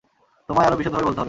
তোমায় আরো বিশদভাবে বলতে হবে।